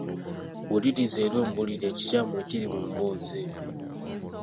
Wuliriza era ombuulire ekikyamu ekiri mu mboozi eno.